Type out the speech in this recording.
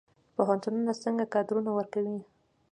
پوهنتونونه څنګه کادرونه ورکوي؟